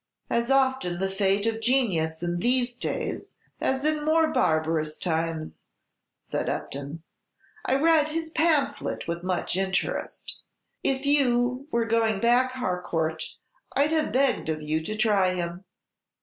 "As often the fate of genius in these days as in more barbarous times," said Upton. "I read his pamphlet with much interest. If you were going back, Harcourt, I 'd have begged of you to try him."